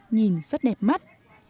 nhìn rất đẹp mắt